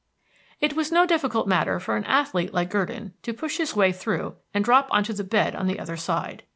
It was no difficult matter for an athlete like Gurdon to push his way through and drop on to the bed on the other side.